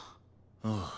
ああ。